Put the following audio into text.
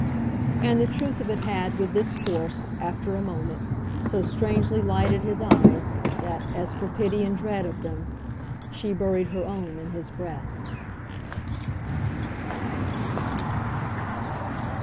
And the truth of it had, with this force, after a moment, so strangely lighted his eyes that, as for pity and dread of them, she buried her own in his breast.